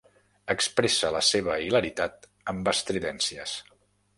Expressa la seva hilaritat amb estridències.